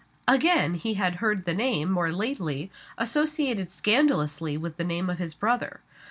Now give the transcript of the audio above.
Again, he had heard the name, more lately, associated scandalously with the name of his brother.